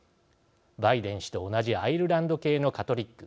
バイデン氏と同じアイルランド系のカトリック。